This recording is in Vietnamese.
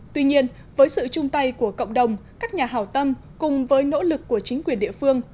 tuy nhiên với sự chung tay của cộng đồng các nhà hào tâm cùng với nỗ lực của chính quyền địa phương